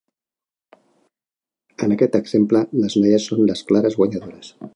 En aquest exemple, les noies són les clares guanyadores.